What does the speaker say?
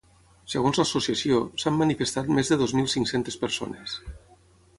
Segons l’associació, s’han manifestat més de dues mil cinc-centes persones.